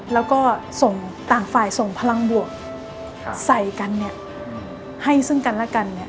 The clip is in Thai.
แล้วก็ส่งต่างฝ่ายส่งพลังบวกใส่กันให้ซึ่งกันและกัน